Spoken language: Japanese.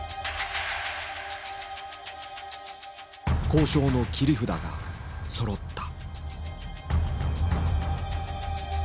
交渉の切り札がそろった。